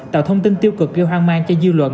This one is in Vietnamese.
tạo thông tin tiêu cực gây hoang mang cho dư luận